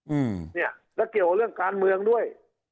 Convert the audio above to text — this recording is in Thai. อืมเนี่ยแล้วเกี่ยวกับเรื่องการเมืองด้วย